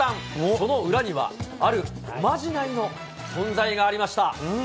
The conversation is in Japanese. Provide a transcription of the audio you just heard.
その裏には、あるおまじないの存在がありました。